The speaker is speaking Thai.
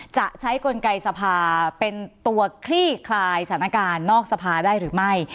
จะใช้กลไกสภาเป็นตัวคลี่คลายสถานการณ์นอกสภาได้หรือไม่